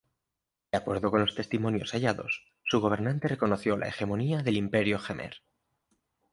De acuerdo con los testimonios hallados, su gobernante reconoció la hegemonía del Imperio jemer.